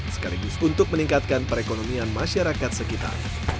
sekaligus untuk meningkatkan perekonomian masyarakat sekitar